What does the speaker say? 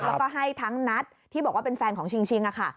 แล้วก็ให้ทั้งนัทที่บอกว่าเป็นแฟนของชิงค่ะ